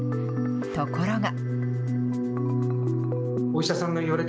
ところが。